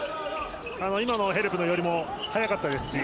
今のヘルプの寄りも早かったですし。